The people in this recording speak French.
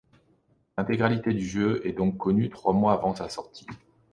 L'intégralité du jeu est donc connue trois mois avant sa sortie.